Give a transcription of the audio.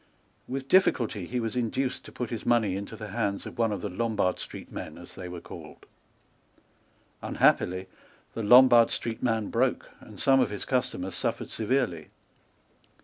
With difficulty he was induced to put his money into the hands of one of the Lombard Street men, as they were called. Unhappily, the Lombard Street man broke, and some of his customers suffered severely.